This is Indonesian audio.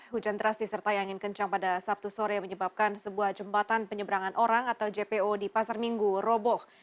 hujan teras disertai angin kencang pada sabtu sore menyebabkan sebuah jembatan penyeberangan orang atau jpo di pasar minggu roboh